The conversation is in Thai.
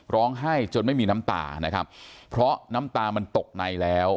ให้จนไม่มีน้ำตานะครับเพราะน้ำตามันตกในแล้ว